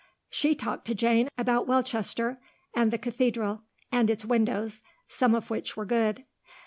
She talked to Jane about Welchester, and the Cathedral, and its windows, some of which were good.